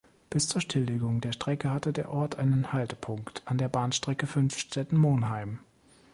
Bis zur Stilllegung der Strecke hatte der Ort einen Haltepunkt an der Bahnstrecke Fünfstetten–Monheim.